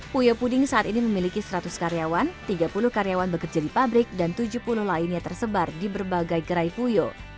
puyo puding saat ini memiliki seratus karyawan tiga puluh karyawan bekerja di pabrik dan tujuh puluh lainnya tersebar di berbagai gerai puyo